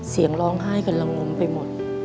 เสียงร้องไห้กันละงมไปหมด